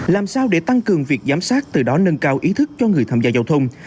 làm sao để tăng cường việc giám sát từ đó nâng cao ý thức cho người tham gia giao thông